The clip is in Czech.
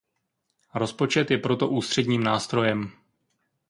Rozpočet je proto ústředním nástrojem.